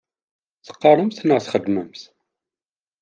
Teqqaṛemt neɣ txeddmemt?